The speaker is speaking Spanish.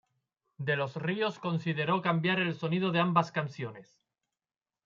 De los Ríos consideró cambiar el sonido de ambas canciones.